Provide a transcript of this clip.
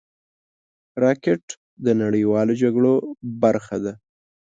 راکټ د نړیوالو جګړو برخه ده